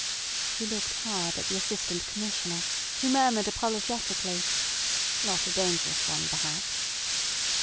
She looked hard at the Assistant Commissioner, who murmured apologetically: "Not a dangerous one perhaps."